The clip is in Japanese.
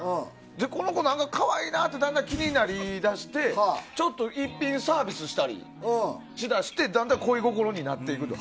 この子、可愛いなってだんだん気になりだしてちょっと１品サービスしたりしだしてだんだん恋心になっていくと。